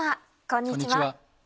こんにちは。